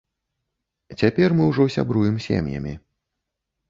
Цяпер мы ўжо сябруем сем'ямі.